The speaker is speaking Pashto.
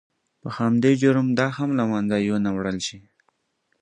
په همدې جرم دا هم له منځه یو نه وړل شي.